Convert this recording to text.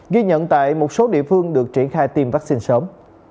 ghi nhận tại một số địa phương được triển khai tiêm vaccine sớm